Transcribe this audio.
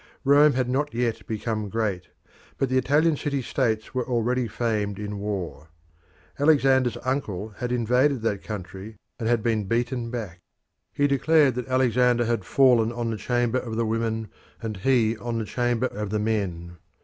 Rome had not yet become great, but the Italian city states were already famed in war. Alexander's uncle had invaded that country and had been beaten back. He declared that Alexander had fallen on the chamber of the women and he on the chamber of the men.